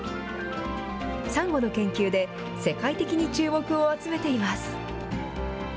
サンゴの研究で、世界的に注目を集めています。